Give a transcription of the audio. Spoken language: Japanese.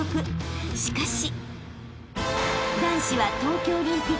［しかし］